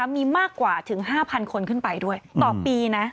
มีมากกว่าถึง๕๐๐คนขึ้นไปด้วยต่อปีนะ